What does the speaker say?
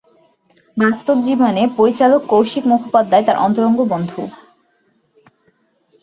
বাস্তব জীবনে পরিচালক কৌশিক মুখোপাধ্যায় তার অন্তরঙ্গ বন্ধু।